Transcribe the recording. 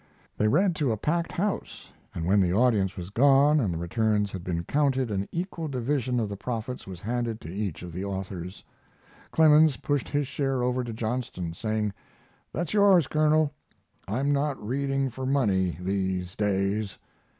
They read to a packed house, and when the audience was gone and the returns had been counted an equal division of the profits was handed to each of the authors. Clemens pushed his share over to Johnston, saying: "That's yours, Colonel. I'm not reading for money these days."